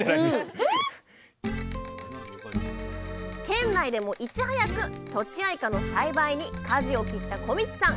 ⁉県内でもいち早くとちあいかの栽培にかじを切った小道さん。